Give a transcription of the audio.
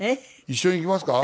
一緒に行きますか？